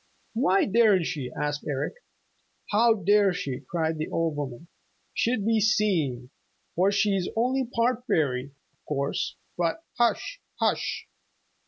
"Why daren't she?" asked Eric. "How dare she?" cried the old woman. "She'd be seen, for she's only part fairy, of course. But hush, hush!"